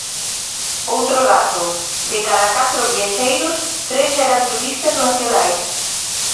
Outro dato, de cada catro viaxeiros, tres eran turistas nacionais.